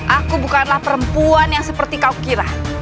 aku bukanlah perempuan yang seperti kau kira